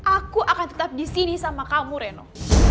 aku akan tetap disini sama kamu reno